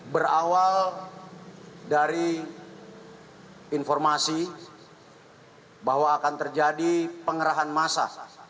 berawal dari informasi bahwa akan terjadi pengerahan massa